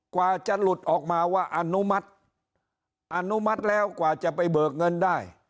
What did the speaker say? กว่าจะหลุดออกมาว่าอนุมัติอนุมัติแล้วกว่าจะไปเบิกเงินได้